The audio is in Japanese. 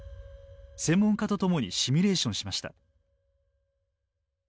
専門家と共にシミュレーションしました。